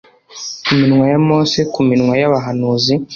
Ku minwa ya Mose ku minwa yabahanuzi